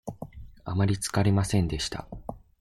あまりつかれませんでした。